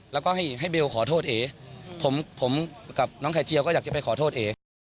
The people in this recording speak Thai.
แล้วก็ให้เบลขอโทษเอผมกับน้องไข่เจียวก็อยากจะไปขอโทษเอ